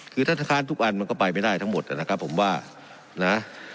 คือถ้าค้านทุกอันมันก็ไปไม่ได้ทั้งหมดนะครับผมว่านะ